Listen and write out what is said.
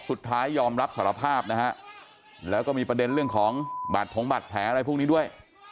สุดท้ายยอมรับสารภาพนะฮะแล้วก็มีประเด็นเรื่องของบัตรผงบาดแผลอะไรพวกนี้ด้วย